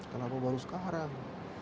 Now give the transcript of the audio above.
kenapa baru sekarang